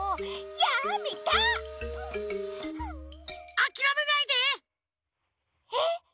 ・あきらめないで！えっ？